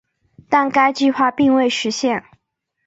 但该计划并未实现。